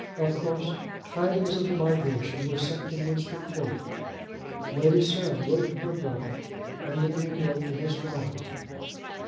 Of course tidings of the migration were sent to Munster Court. Lady Sarah wrote to her brother, and the Dean wrote to his daughter.